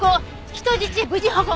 人質無事保護！